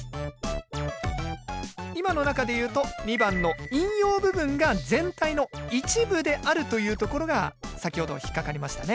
今の中でいうと２番の引用部分が全体の一部であるというところが先ほど引っ掛かりましたね。